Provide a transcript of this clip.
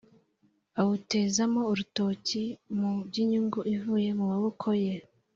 awutezamo urutoki mu by’inyungu ivuye mu maboko ye